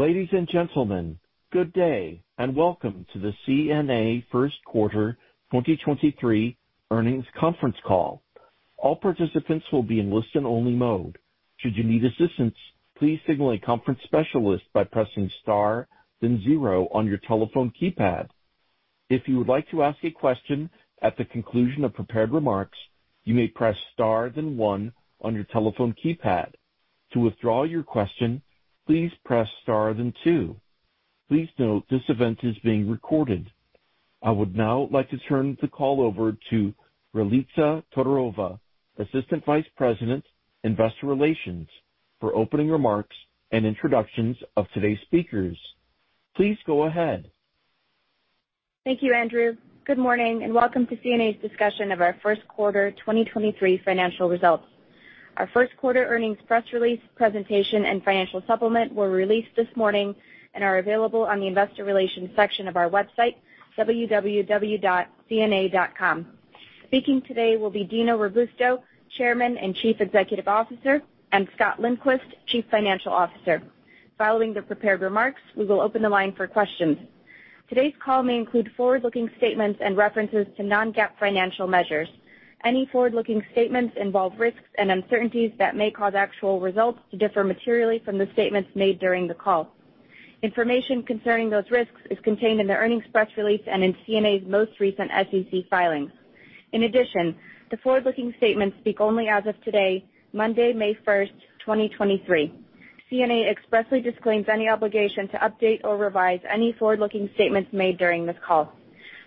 Ladies and gentlemen, good day, welcome to the CNA first quarter 2023 earnings conference call. All participants will be in listen-only mode. Should you need assistance, please signal a conference specialist by pressing star then zero on your telephone keypad. If you would like to ask a question at the conclusion of prepared remarks, you may press star then one on your telephone keypad. To withdraw your question, please press star then two. Please note this event is being recorded. I would now like to turn the call over to Ralitza Todorova, Assistant Vice President, Investor Relations, for opening remarks and introductions of today's speakers. Please go ahead. Thank you, Andrew. Good morning. Welcome to CNA's discussion of our first quarter 2023 financial results. Our first quarter earnings press release presentation and financial supplement were released this morning and are available on the investor relations section of our website, www.cna.com. Speaking today will be Dino Robusto, Chairman and Chief Executive Officer, and Scott Lindquist, Chief Financial Officer. Following the prepared remarks, we will open the line for questions. Today's call may include forward-looking statements and references to non-GAAP financial measures. Any forward-looking statements involve risks and uncertainties that may cause actual results to differ materially from the statements made during the call. Information concerning those risks is contained in the earnings press release and in CNA's most recent SEC filings. In addition, the forward-looking statements speak only as of today, Monday, May 1, 2023. CNA expressly disclaims any obligation to update or revise any forward-looking statements made during this call.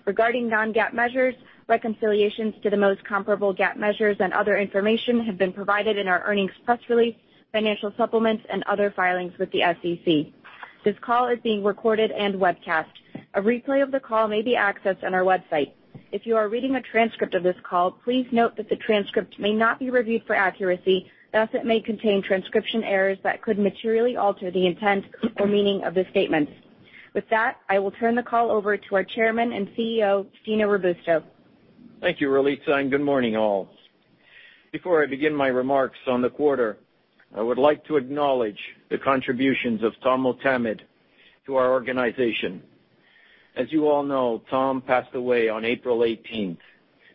Regarding non-GAAP measures, reconciliations to the most comparable GAAP measures and other information have been provided in our earnings press release, financial supplements, and other filings with the SEC. This call is being recorded and webcast. A replay of the call may be accessed on our website. If you are reading a transcript of this call, please note that the transcript may not be reviewed for accuracy, thus it may contain transcription errors that could materially alter the intent or meaning of the statements. With that, I will turn the call over to our Chairman and CEO, Dino Robusto. Thank you, Ralitza Todorova, and good morning, all. Before I begin my remarks on the quarter, I would like to acknowledge the contributions of Tom Motamed to our organization. As you all know, Tom passed away on April 18th,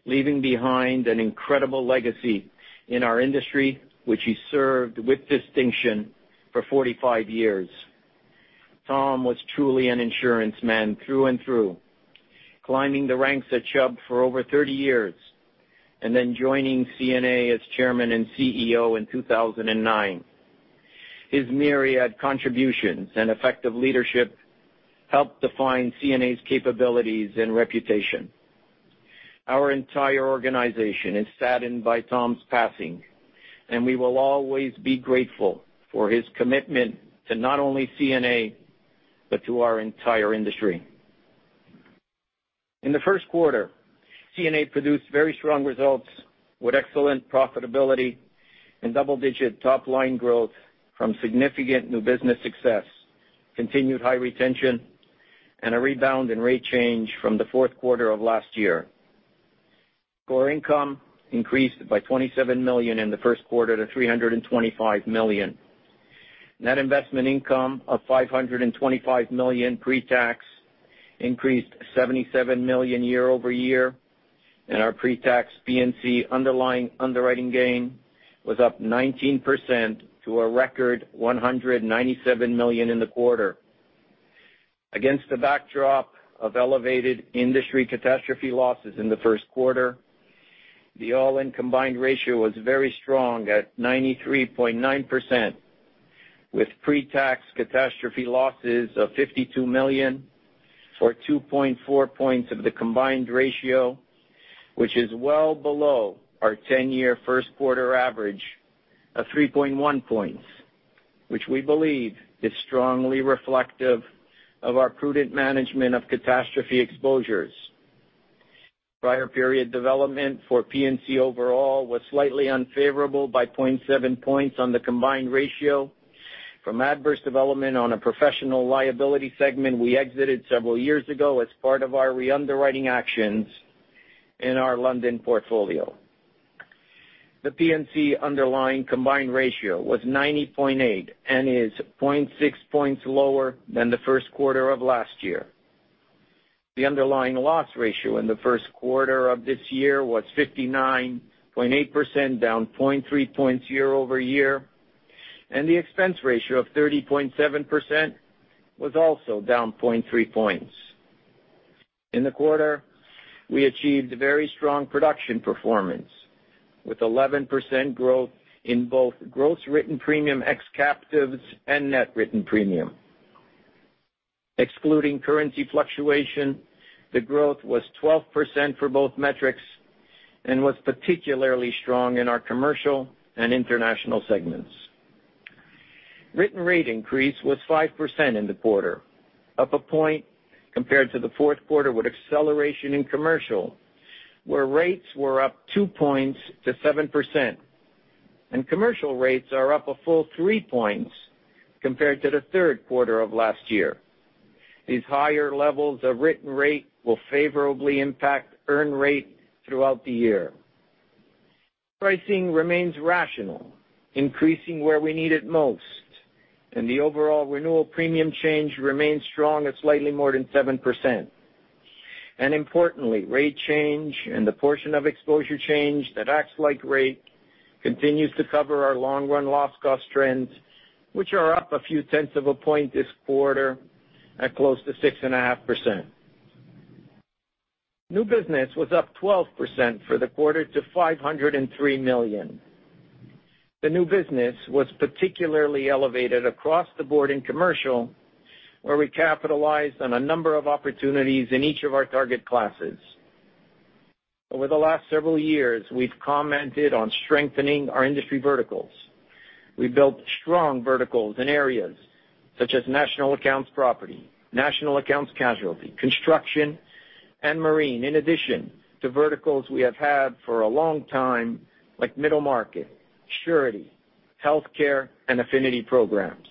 leaving behind an incredible legacy in our industry, which he served with distinction for 45 years. Tom was truly an insurance man through and through, climbing the ranks at Chubb for over 30 years, and then joining CNA as Chairman and CEO in 2009. His myriad contributions and effective leadership helped define CNA's capabilities and reputation. Our entire organization is saddened by Tom's passing, and we will always be grateful for his commitment to not only CNA, but to our entire industry. In the first quarter, CNA produced very strong results with excellent profitability and double-digit top-line growth from significant new business success, continued high retention, and a rebound in rate change from the fourth quarter of last year. Core income increased by $27 million in the first quarter to $325 million. Net investment income of $525 million pre-tax increased $77 million year-over-year, and our pre-tax P&C underlying underwriting gain was up 19% to a record $197 million in the quarter. Against the backdrop of elevated industry catastrophe losses in the first quarter, the all-in combined ratio was very strong at 93.9%, with pre-tax catastrophe losses of $52 million, or 2.4 points of the combined ratio, which is well below our 10-year first quarter average of 3.1 points, which we believe is strongly reflective of our prudent management of catastrophe exposures. Prior period development for P&C overall was slightly unfavorable by 0.7 points on the combined ratio from adverse development on a professional liability segment we exited several years ago as part of our re-underwriting actions in our London portfolio. The P&C underlying combined ratio was 90.8 and is 0.6 points lower than the first quarter of last year. The underlying loss ratio in the first quarter of this year was 59.8%, down 0.3 points year-over-year. The expense ratio of 30.7% was also down 0.3 points. In the quarter, we achieved very strong production performance, with 11% growth in both gross written premium ex captives and net written premium. Excluding currency fluctuation, the growth was 12% for both metrics and was particularly strong in our commercial and international segments. Written rate increase was 5% in the quarter, up 1 point compared to the fourth quarter with acceleration in commercial, where rates were up 2 points to 7%, and commercial rates are up 3 points compared to the third quarter of last year. These higher levels of written rate will favorably impact earn rate throughout the year. Pricing remains rational, increasing where we need it most. The overall renewal premium change remains strong at slightly more than 7%. Importantly, rate change and the portion of exposure change that acts like rate continues to cover our long-run loss cost trends, which are up a few tenths of a point this quarter at close to 6.5%. New business was up 12% for the quarter to $503 million. The new business was particularly elevated across the board in commercial, where we capitalized on a number of opportunities in each of our target classes. Over the last several years, we've commented on strengthening our industry verticals. We built strong verticals in areas such as national accounts property, national accounts casualty, construction, and marine, in addition to verticals we have had for a long time, like middle market, surety, healthcare, and affinity programs.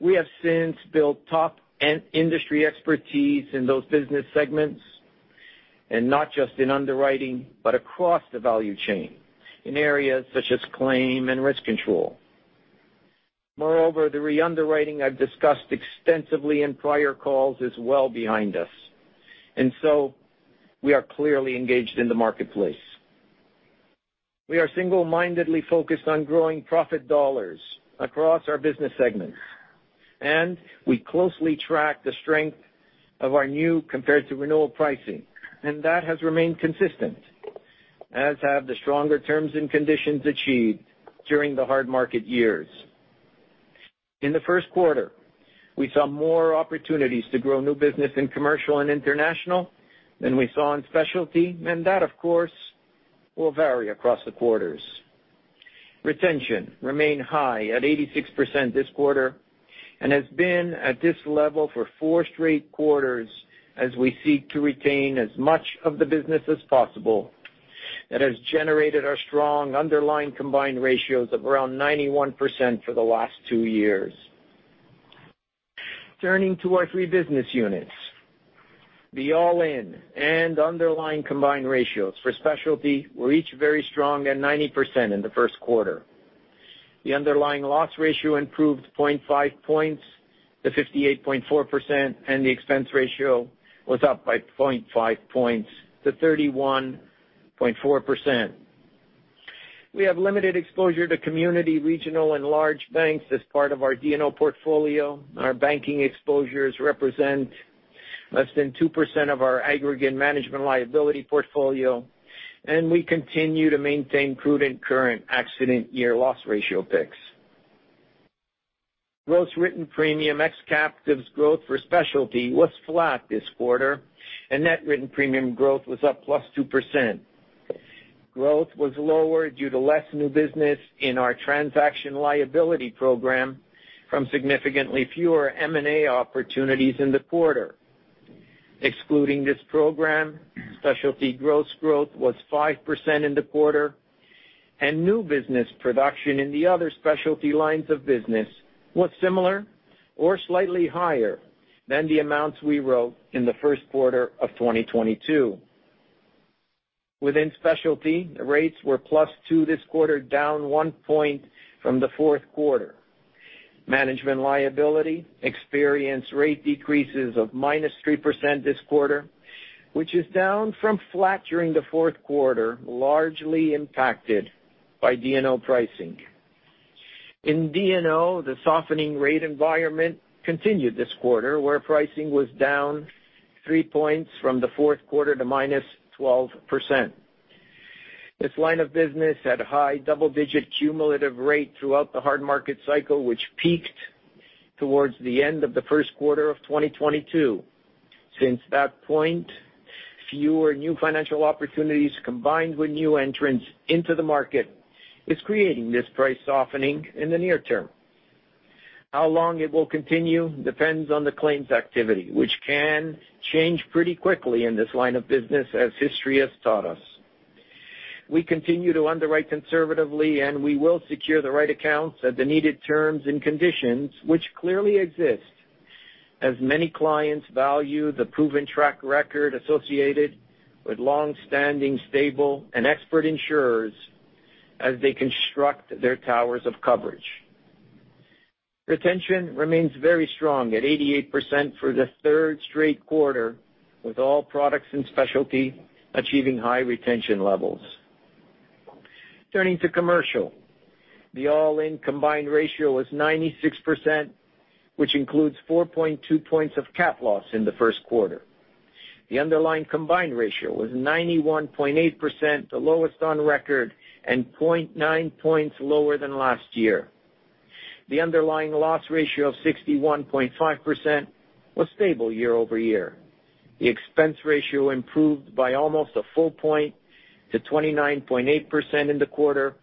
We have since built top end industry expertise in those business segments, and not just in underwriting, but across the value chain in areas such as claim and risk control. Moreover, the re-underwriting I've discussed extensively in prior calls is well behind us, and so we are clearly engaged in the marketplace. We are single-mindedly focused on growing profit dollars across our business segments, and we closely track the strength of our new compared to renewal pricing, and that has remained consistent, as have the stronger terms and conditions achieved during the hard market years. In the first quarter, we saw more opportunities to grow new business in commercial and international than we saw in specialty, and that, of course, will vary across the quarters. Retention remained high at 86% this quarter and has been at this level for four straight quarters as we seek to retain as much of the business as possible that has generated our strong underlying combined ratios of around 91% for the last two years. Turning to our three business units. The all-in and underlying combined ratios for specialty were each very strong at 90% in the first quarter. The underlying loss ratio improved 0.5 points to 58.4%, and the expense ratio was up by 0.5 points to 31.4%. We have limited exposure to community, regional, and large banks as part of our D&O portfolio. Our banking exposures represent less than 2% of our aggregate management liability portfolio, and we continue to maintain prudent current accident year loss ratio picks. Gross written premium ex captives growth for specialty was flat this quarter, and net written premium growth was up +2%. Growth was lower due to less new business in our transaction liability program from significantly fewer M&A opportunities in the quarter. Excluding this program, specialty gross growth was 5% in the quarter, and new business production in the other specialty lines of business was similar or slightly higher than the amounts we wrote in the first quarter of 2022. Within specialty, the rates were +2 this quarter, down 1 point from the fourth quarter. Management liability experienced rate decreases of -3% this quarter, which is down from flat during the fourth quarter, largely impacted by D&O pricing. In D&O, the softening rate environment continued this quarter, where pricing was down 3 points from the fourth quarter to -12%. This line of business had a high double-digit cumulative rate throughout the hard market cycle, which peaked towards the end of the first quarter of 2022. Since that point, fewer new financial opportunities combined with new entrants into the market is creating this price softening in the near term. How long it will continue depends on the claims activity, which can change pretty quickly in this line of business, as history has taught us. We continue to underwrite conservatively, and we will secure the right accounts at the needed terms and conditions which clearly exist, as many clients value the proven track record associated with long-standing, stable, and expert insurers as they construct their towers of coverage. Retention remains very strong at 88% for the third straight quarter, with all products and specialty achieving high retention levels. Turning to commercial. The all-in combined ratio was 96%, which includes 4.2 points of cat loss in the first quarter. The underlying combined ratio was 91.8%, the lowest on record, and 0.9 points lower than last year. The underlying loss ratio of 61.5% was stable year-over-year. The expense ratio improved by almost a 1 point to 29.8% in the quarter,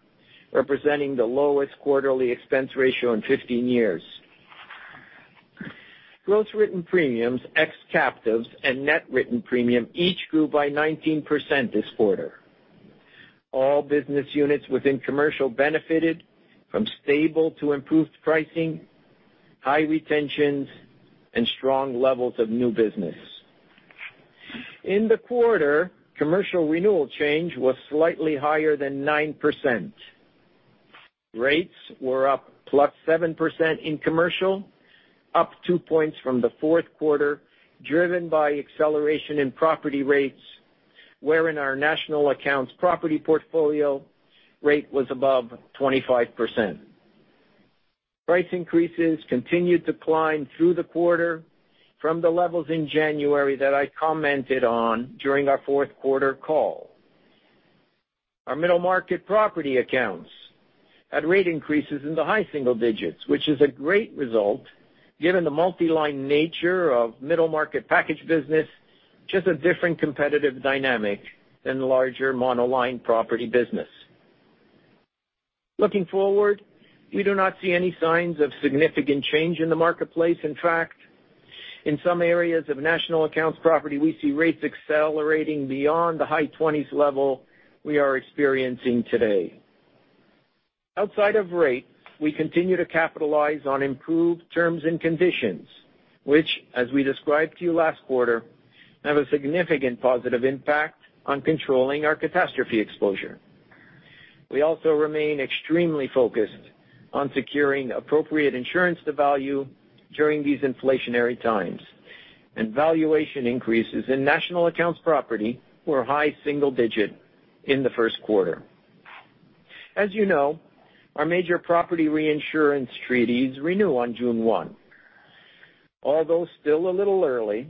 representing the lowest quarterly expense ratio in 15 years. Gross written premiums, ex-captives, and net written premium each grew by 19% this quarter. All business units within commercial benefited from stable to improved pricing, high retentions and strong levels of new business. In the quarter, commercial renewal change was slightly higher than 9%. Rates were up +7% in commercial, up two points from the fourth quarter, driven by acceleration in property rates, wherein our national accounts property portfolio rate was above 25%. Price increases continued to climb through the quarter from the levels in January that I commented on during our fourth quarter call. Our middle market property accounts had rate increases in the high single digits, which is a great result given the multi-line nature of middle market package business, just a different competitive dynamic than the larger monoline property business. Looking forward, we do not see any signs of significant change in the marketplace. In fact, in some areas of national accounts property, we see rates accelerating beyond the high 20s level we are experiencing today. Outside of rate, we continue to capitalize on improved terms and conditions, which, as we described to you last quarter, have a significant positive impact on controlling our catastrophe exposure. We also remain extremely focused on securing appropriate insurance to value during these inflationary times. Valuation increases in national accounts property were high single-digit in the first quarter. As you know, our major property reinsurance treaties renew on June 1. Although still a little early,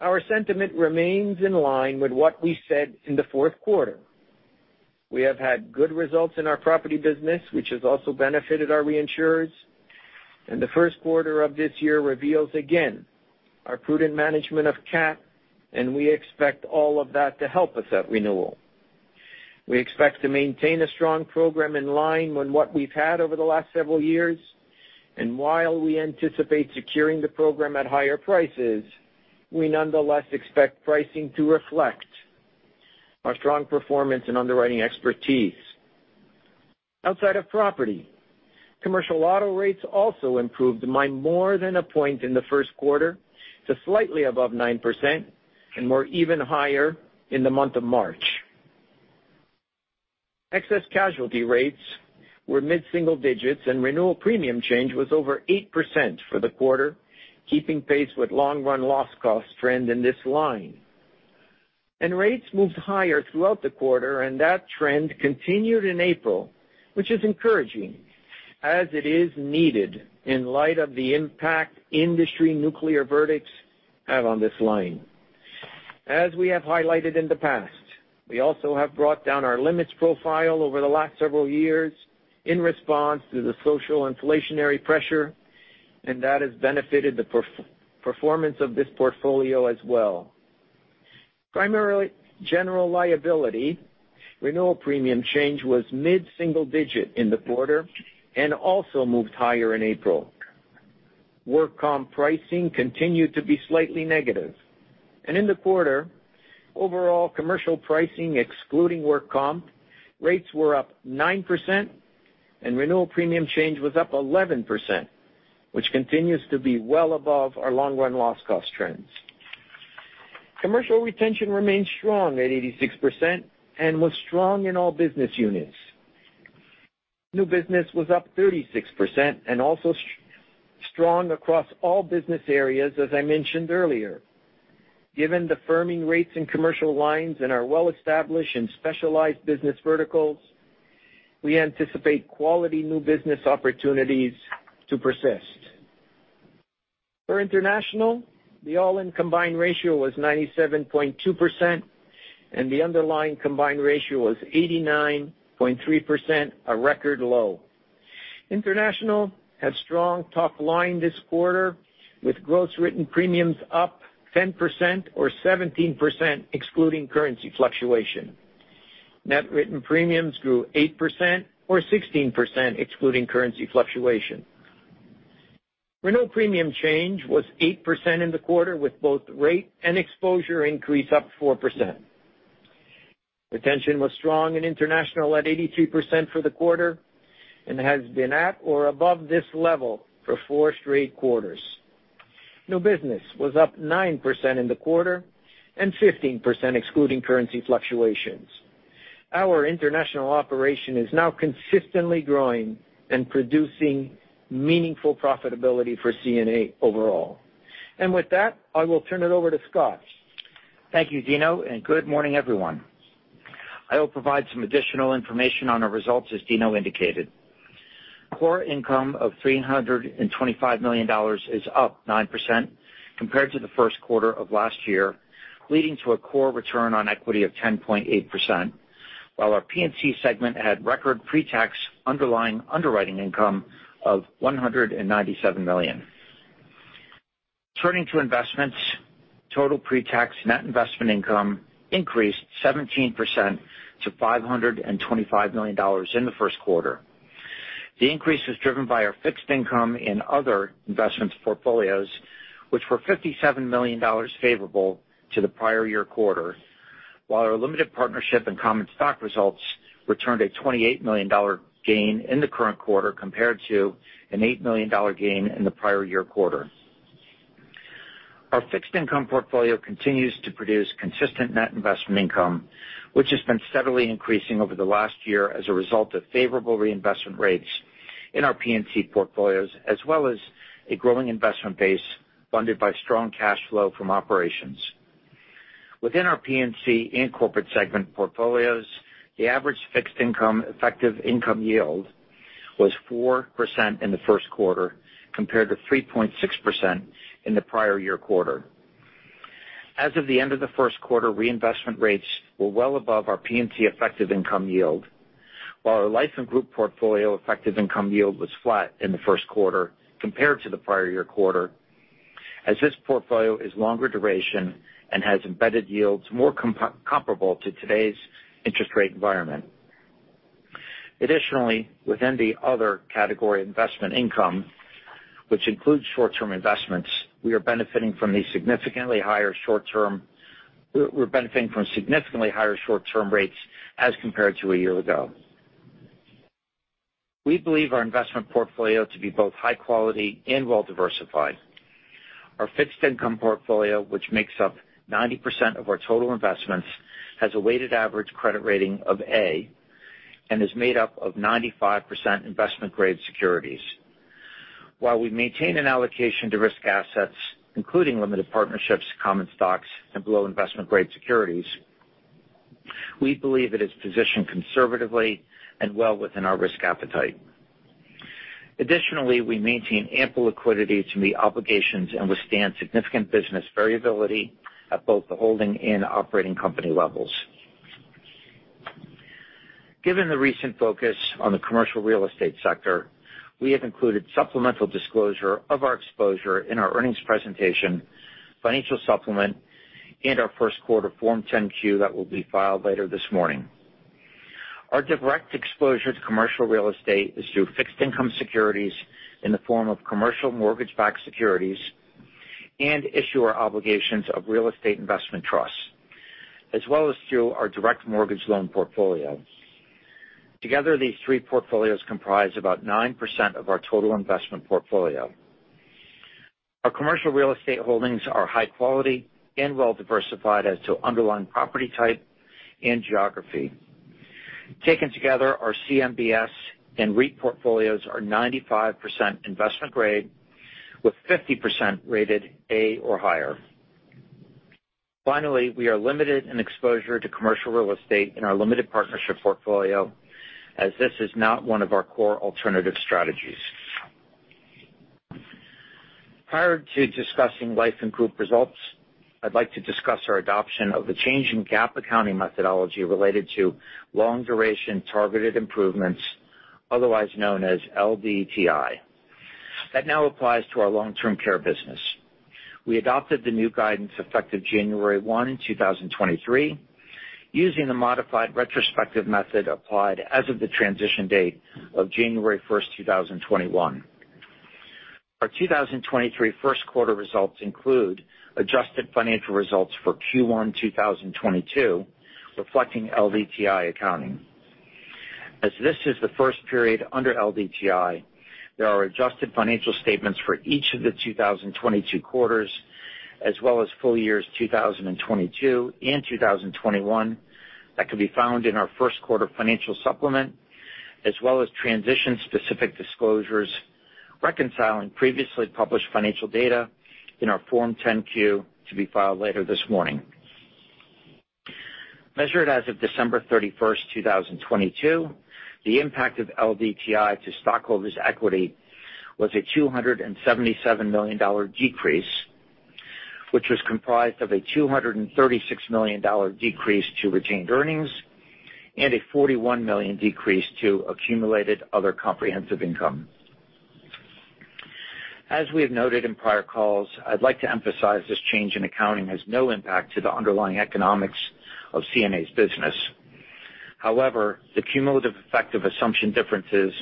our sentiment remains in line with what we said in the fourth quarter. We have had good results in our property business, which has also benefited our reinsurers. The first quarter of this year reveals again our prudent management of CAT. We expect all of that to help us at renewal. We expect to maintain a strong program in line with what we've had over the last several years, while we anticipate securing the program at higher prices, we nonetheless expect pricing to reflect our strong performance and underwriting expertise. Outside of property, commercial auto rates also improved by more than a point in the first quarter to slightly above 9% and were even higher in the month of March. Excess casualty rates were mid-single digits, renewal premium change was over 8% for the quarter, keeping pace with long run loss cost trend in this line. Rates moved higher throughout the quarter, and that trend continued in April, which is encouraging as it is needed in light of the impact industry nuclear verdicts have on this line. As we have highlighted in the past, we also have brought down our limits profile over the last several years in response to the social inflationary pressure, and that has benefited the performance of this portfolio as well. Primarily, general liability renewal premium change was mid-single-digit in the quarter and also moved higher in April. Work comp pricing continued to be slightly negative. In the quarter, overall commercial pricing, excluding work comp, rates were up 9%, and renewal premium change was up 11%, which continues to be well above our long-run loss cost trends. Commercial retention remains strong at 86% and was strong in all business units. New business was up 36% and also strong across all business areas, as I mentioned earlier. Given the firming rates in commercial lines and our well-established and specialized business verticals, we anticipate quality new business opportunities to persist. For international, the all-in combined ratio was 97.2%, and the underlying combined ratio was 89.3%, a record low. International had strong top line this quarter, with gross written premiums up 10% or 17% excluding currency fluctuation. Net written premiums grew 8% or 16% excluding currency fluctuation. Renewal premium change was 8% in the quarter, with both rate and exposure increase up 4%. Retention was strong in international at 83% for the quarter and has been at or above this level for four straight quarters. New business was up 9% in the quarter and 15% excluding currency fluctuations. Our international operation is now consistently growing and producing meaningful profitability for CNA overall. With that, I will turn it over to Scott Lindquist. Thank you, Dino Robusto, and good morning, everyone. I will provide some additional information on our results, as Dino Robusto indicated. Core income of $325 million is up 9% compared to the first quarter of last year, leading to a core return on equity of 10.8%, while our P&C segment had record pretax underlying underwriting income of $197 million. Turning to investments, total pretax net investment income increased 17% to $525 million in the first quarter. The increase was driven by our fixed income and other investments portfolios, which were $57 million favorable to the prior year quarter. While our limited partnership and common stock results returned a $28 million gain in the current quarter compared to an $8 million gain in the prior year quarter. Our fixed income portfolio continues to produce consistent net investment income, which has been steadily increasing over the last year as a result of favorable reinvestment rates in our P&C portfolios, as well as a growing investment base funded by strong cash flow from operations. Within our P&C and corporate segment portfolios, the average fixed income effective income yield was 4% in the first quarter, compared to 3.6% in the prior year quarter. As of the end of the first quarter, reinvestment rates were well above our P&C effective income yield. While our Life & Group portfolio effective income yield was flat in the first quarter compared to the prior year quarter, as this portfolio is longer duration and has embedded yields more comparable to today's interest rate environment. Within the other category investment income, which includes short-term investments, We're benefiting from significantly higher short-term rates as compared to a year ago. We believe our investment portfolio to be both high quality and well-diversified. Our fixed income portfolio, which makes up 90% of our total investments, has a weighted average credit rating of A, and is made up of 95% investment-grade securities. While we maintain an allocation to risk assets, including limited partnerships, common stocks, and below investment-grade securities, we believe it is positioned conservatively and well within our risk appetite. We maintain ample liquidity to meet obligations and withstand significant business variability at both the holding and operating company levels. Given the recent focus on the commercial real estate sector, we have included supplemental disclosure of our exposure in our earnings presentation, financial supplement, and our first quarter Form 10-Q that will be filed later this morning. Our direct exposure to commercial real estate is through fixed income securities in the form of commercial mortgage-backed securities and issuer obligations of real estate investment trusts, as well as through our direct mortgage loan portfolio. Together, these three portfolios comprise about 9% of our total investment portfolio. Our commercial real estate holdings are high quality and well-diversified as to underlying property type and geography. Taken together, our CMBS and REIT portfolios are 95% investment grade, with 50% rated A or higher. Finally, we are limited in exposure to commercial real estate in our limited partnership portfolio, as this is not one of our core alternative strategies. Prior to discussing Life & Group results, I'd like to discuss our adoption of the change in GAAP accounting methodology related to long-duration targeted improvements, otherwise known as LDTI. That now applies to our long-term care business. We adopted the new guidance effective January 1, 2023, using the modified retrospective method applied as of the transition date of January 1, 2021. Our 2023 first quarter results include adjusted financial results for Q1 2022, reflecting LDTI accounting. As this is the first period under LDTI, there are adjusted financial statements for each of the 2022 quarters as well as full years 2022 and 2021 that can be found in our first quarter financial supplement, as well as transition-specific disclosures reconciling previously published financial data in our Form 10-Q to be filed later this morning. Measured as of December 31st, 2022, the impact of LDTI to stockholders' equity was a $277 million decrease, which was comprised of a $236 million decrease to retained earnings and a $41 million decrease to accumulated other comprehensive income. As we have noted in prior calls, I'd like to emphasize this change in accounting has no impact to the underlying economics of CNA's business. However, the cumulative effect of assumption differences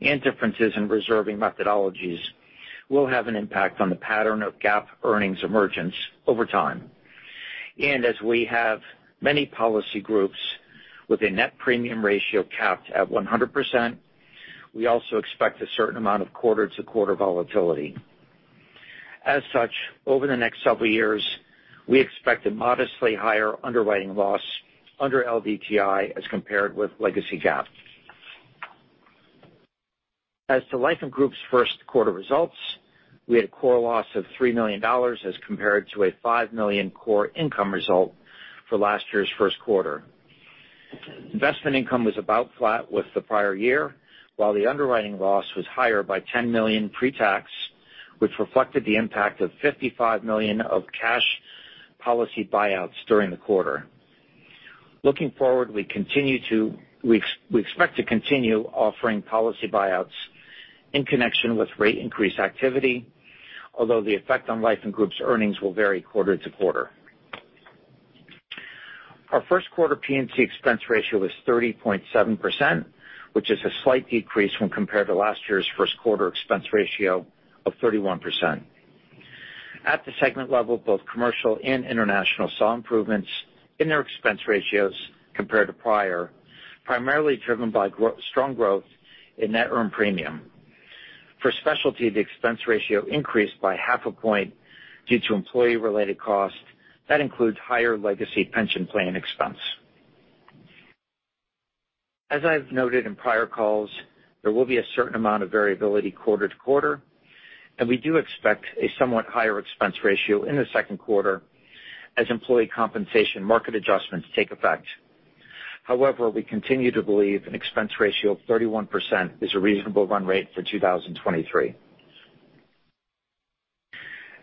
and differences in reserving methodologies will have an impact on the pattern of GAAP earnings emergence over time. As we have many policy groups with a net premium ratio capped at 100%, we also expect a certain amount of quarter-to-quarter volatility. As such, over the next several years, we expect a modestly higher underwriting loss under LDTI as compared with legacy GAAP. As to Life & Group's first quarter results, we had a core loss of $3 million as compared to a $5 million core income result for last year's first quarter. Investment income was about flat with the prior year, while the underwriting loss was higher by $10 million pre-tax, which reflected the impact of $55 million of cash policy buyouts during the quarter. Looking forward, we continue to expect to continue offering policy buyouts in connection with rate increase activity, although the effect on Life & Group's earnings will vary quarter to quarter. Our first quarter P&C expense ratio was 30.7%, which is a slight decrease when compared to last year's first quarter expense ratio of 31%. At the segment level, both Commercial and International saw improvements in their expense ratios compared to prior, primarily driven by strong growth in net earned premium. For Specialty, the expense ratio increased by half a point due to employee-related costs. That includes higher legacy pension plan expense. As I've noted in prior calls, there will be a certain amount of variability quarter to quarter, and we do expect a somewhat higher expense ratio in the second quarter as employee compensation market adjustments take effect. We continue to believe an expense ratio of 31% is a reasonable run rate for 2023.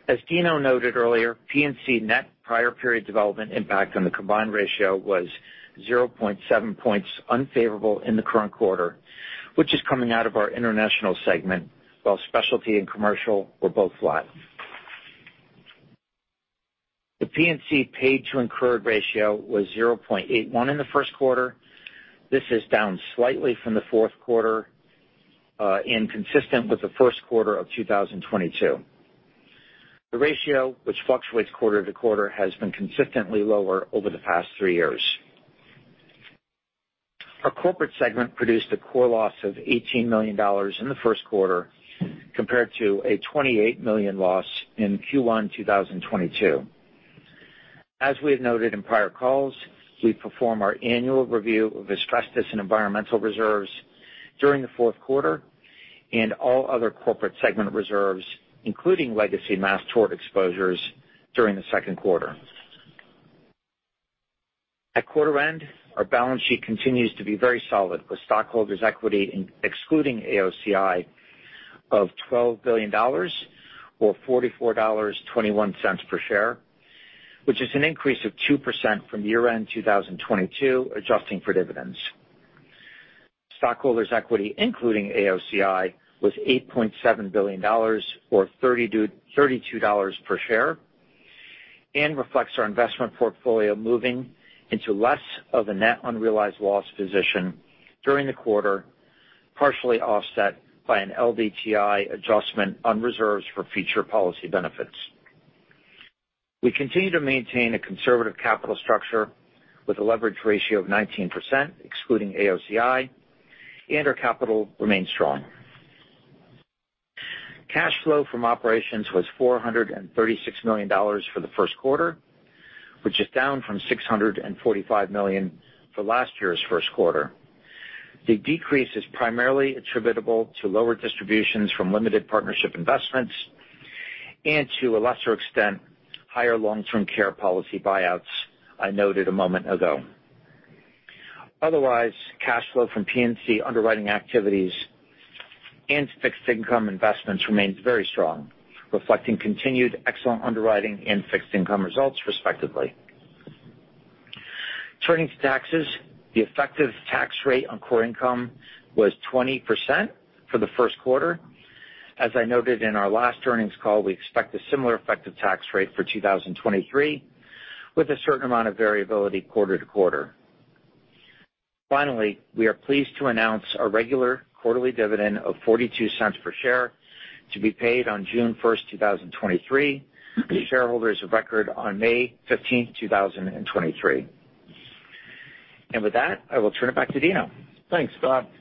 As Dino noted earlier, P&C net prior period development impact on the combined ratio was 0.7 points unfavorable in the current quarter, which is coming out of our international segment, while specialty and commercial were both flat. The P&C paid to incurred ratio was 0.81 in the first quarter. This is down slightly from the fourth quarter and consistent with the first quarter of 2022. The ratio which fluctuates quarter to quarter, has been consistently lower over the past 3 years. Our corporate segment produced a core loss of $18 million in the first quarter compared to a $28 million loss in Q1 2022. As we have noted in prior calls, we perform our annual review of asbestos and environmental reserves during the fourth quarter and all other corporate segment reserves, including legacy mass tort exposures, during the second quarter. At quarter end, our balance sheet continues to be very solid, with stockholders' equity excluding AOCI of $12 billion or $44.21 per share, which is an increase of 2% from year-end 2022, adjusting for dividends. Stockholders' equity, including AOCI, was $8.7 billion or $32 per share and reflects our investment portfolio moving into less of a net unrealized loss position during the quarter, partially offset by an LDTI adjustment on reserves for future policy benefits. We continue to maintain a conservative capital structure with a leverage ratio of 19%, excluding AOCI. Our capital remains strong. Cash flow from operations was $436 million for the first quarter, which is down from $645 million for last year's first quarter. The decrease is primarily attributable to lower distributions from limited partnership investments and to a lesser extent, higher long-term care policy buyouts I noted a moment ago. Otherwise, cash flow from P&C underwriting activities and fixed income investments remains very strong, reflecting continued excellent underwriting and fixed income results, respectively. Turning to taxes. The effective tax rate on core income was 20% for the first quarter. As I noted in our last earnings call, we expect a similar effective tax rate for 2023, with a certain amount of variability quarter to quarter. Finally, we are pleased to announce our regular quarterly dividend of $0.42 per share to be paid on June 1, 2023 to shareholders of record on May 15, 2023. With that, I will turn it back to Dino. Thanks, Scott Lindquist.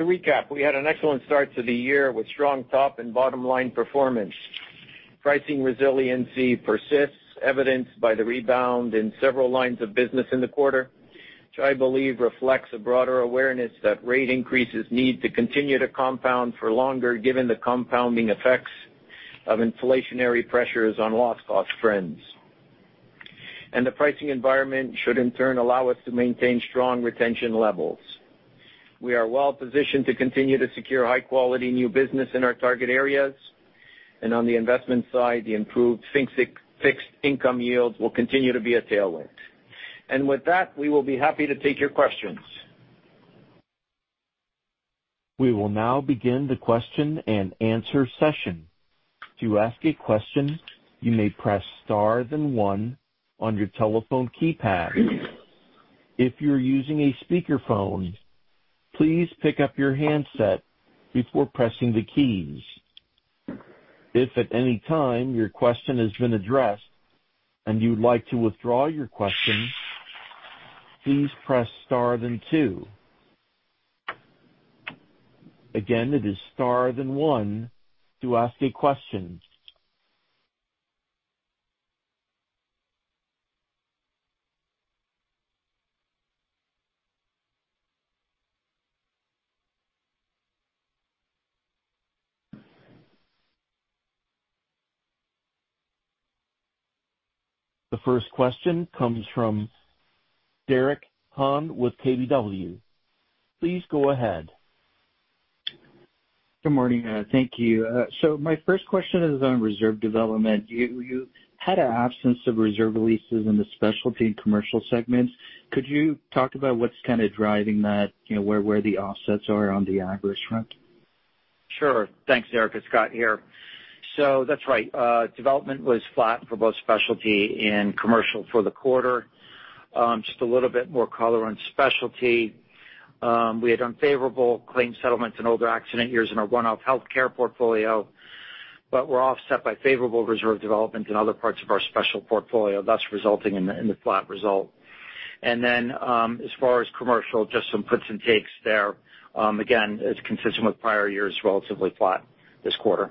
To recap, we had an excellent start to the year with strong top and bottom line performance. Pricing resiliency persists, evidenced by the rebound in several lines of business in the quarter, which I believe reflects a broader awareness that rate increases need to continue to compound for longer, given the compounding effects of inflationary pressures on loss cost trends. The pricing environment should in turn allow us to maintain strong retention levels. We are well positioned to continue to secure high quality new business in our target areas. On the investment side, the improved fixed income yield will continue to be a tailwind. With that, we will be happy to take your questions. We will now begin the question and answer session. To ask a question, you may press star then one on your telephone keypad. If you're using a speakerphone, please pick up your handset before pressing the keys. If at any time your question has been addressed and you'd like to withdraw your question, please press star then two. Again, it is star then one to ask a question. The first question comes from Meyer Shields with KBW. Please go ahead. Good morning. Thank you. My first question is on reserve development. You had an absence of reserve releases in the specialty and commercial segments. Could you talk about what's driving that? Where the offsets are on the average front? Sure. Thanks, Derek Hewett. It's Scott Lindquist here. That's right. Development was flat for both specialty and commercial for the quarter. Just a little bit more color on specialty. We had unfavorable claim settlements in older accident years in our one-off healthcare portfolio, were offset by favorable reserve development in other parts of our special portfolio, thus resulting in the flat result. As far as commercial, just some puts and takes there. Again, it's consistent with prior years, relatively flat this quarter.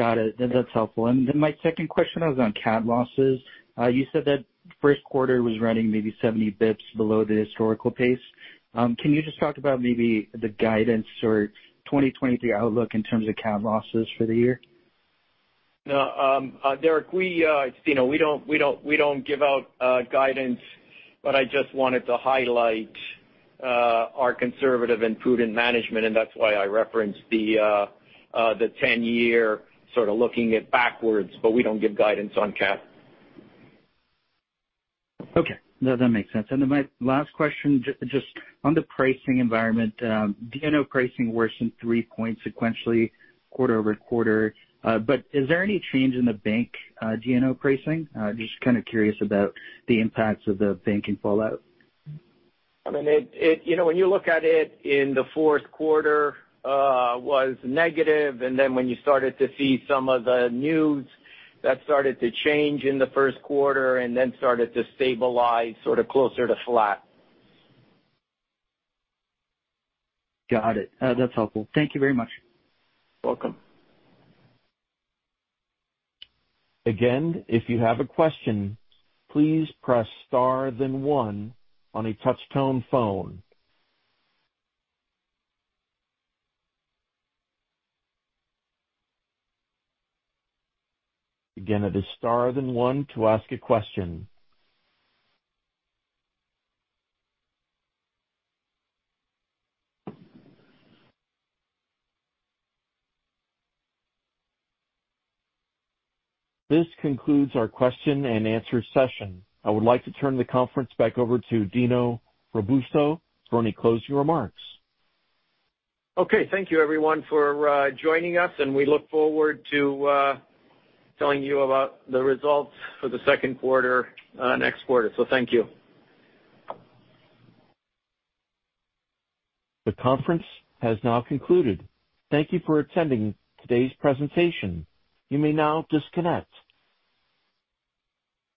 Got it. That's helpful. My second question was on cat losses. You said that first quarter was running maybe 70 basis points below the historical pace. Can you just talk about maybe the guidance or 2023 outlook in terms of cat losses for the year? No Derek Hewett, we don't give out guidance, but I just wanted to highlight our conservative and prudent management, and that's why I referenced the ten-year, looking it backwards, but we don't give guidance on cat. Okay. No, that makes sense. My last question, just on the pricing environment, D&O pricing worsened 3 points sequentially quarter-over-quarter. Is there any change in the bank D&O pricing? Just curious about the impacts of the banking fallout. I mean, it, when you look at it in the fourth quarter, was negative, and then when you started to see some of the news, that started to change in the first quarter and then started to stabilize closer to flat. Got it. That's helpful. Thank you very much. Welcome. If you have a question, please press star then one on a touch tone phone. It is star then one to ask a question. This concludes our question and answer session. I would like to turn the conference back over to Dino Robusto for any closing remarks. Okay. Thank you everyone for joining us. We look forward to telling you about the results for the second quarter, next quarter. Thank you. The conference has now concluded. Thank you for attending today's presentation. You may now disconnect.